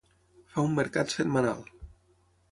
Fa un mercat setmanal.